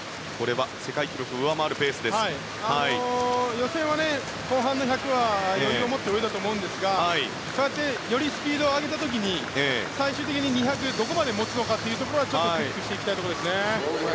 予選は後半の１００は余裕を持って泳いだと思いますがよりスピードを上げた時に最終的に２００ｍどこまで持つのかというところは注意していきたいところですね。